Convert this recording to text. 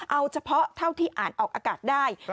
เอาเฉพาะเท่าที่อ่านออกอากาศได้